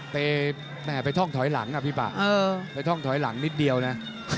ไปแม่ไปท่องถอยหลังอ่ะพี่ปะไปท่องถอยหลังนิดเดียวนะ